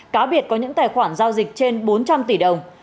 cá biệt có những tài khoản giao dịch trên bốn trăm linh tỷ đồng